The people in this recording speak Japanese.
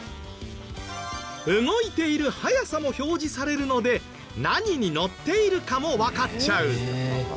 動いている速さも表示されるので何に乗っているかもわかっちゃう。